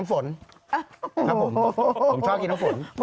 ฉันชอบกินน้ำฝน